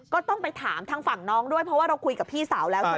ก็ต้องไปถามทางฝั่งน้องด้วยเพราะว่าเราคุยกับพี่สาวแล้วใช่ไหม